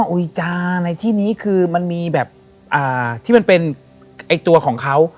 อุ๊ยจาในที่นี้คือมันมีแบบที่มันเป็นตัวของเขา